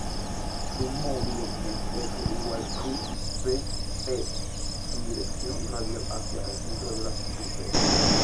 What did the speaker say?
Su módulo es "F=q·v·B", su dirección radial hacia el centro de la circunferencia.